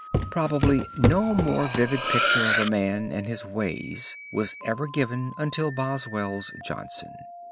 Probably no more vivid picture of a man and his ways was ever given until Boswell's Johnson.